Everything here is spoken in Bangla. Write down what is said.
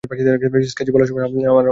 স্কেচি বলার সময় যদি আমার কথা শুনতি।